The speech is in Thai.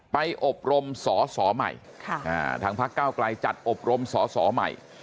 อบรมสอสอใหม่ทางพักเก้าไกลจัดอบรมสอสอใหม่